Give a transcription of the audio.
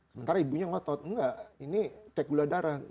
sementara ibunya ngotot enggak ini cek gula darah